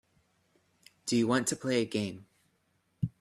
Do you want to play a game.